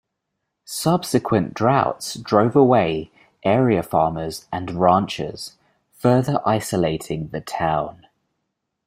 Subsequent droughts drove away area farmers and ranchers, further isolating the town.